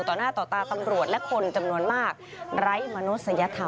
ต่อหน้าต่อตาตำรวจและคนจำนวนมากไร้มนุษยธรรม